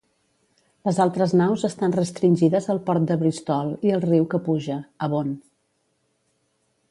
Les altres naus estan restringides al port de Bristol i el riu que puja, Avon.